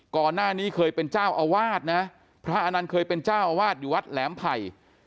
ก่อนหน้านี้เคยเป็นเจ้าอาวาสนะพระอนันต์เคยเป็นเจ้าอาวาสอยู่วัดแหลมไผ่